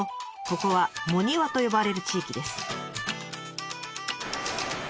ここは「茂庭」と呼ばれる地域です。